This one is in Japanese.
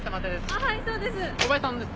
あっはいそうです。